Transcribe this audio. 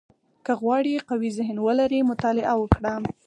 • که غواړې قوي ذهن ولرې، مطالعه وکړه.